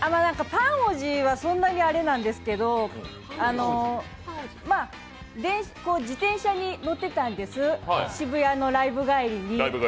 パンおじはそんなにあれなんですけど、自転車に乗ってたんです、渋谷のライブ帰りに。